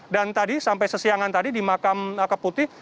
dan sampai sesiangan tadi di makam keputih